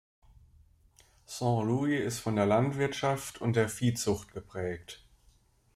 San Luis ist von der Landwirtschaft und der Viehzucht geprägt.